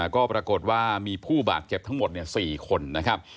ก็ปรากฏว่ามีผู้บาดเจ็บทั้งหมด๔คนนะครับ